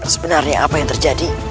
sebenarnya apa yang terjadi